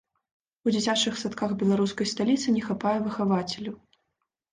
У дзіцячых садках беларускай сталіцы не хапае выхавацеляў.